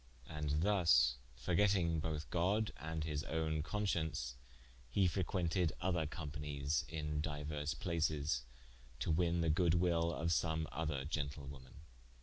And thus forgetting both God and his own conscience, he frequented other companies in diuerse places, to winne the good will of some other gentlewoman.